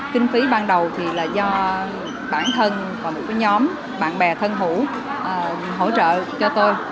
kinh phí ban đầu thì là do bản thân còn một nhóm bạn bè thân hữu hỗ trợ cho tôi